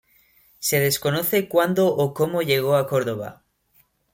Se desconoce cuándo o cómo llegó a Córdoba.